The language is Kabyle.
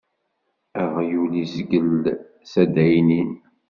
Aɣyul izgel s addaynin.